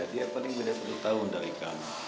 dia paling beda satu tahun dari kamu